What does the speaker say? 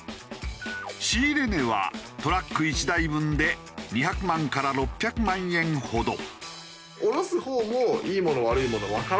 仕入れ値はトラック１台分で２００万から６００万円ほど。